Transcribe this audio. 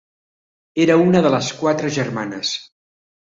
Era una de les quatre germanes.